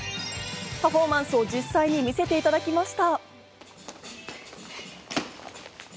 パフォーマンスを実際に見せていただきました。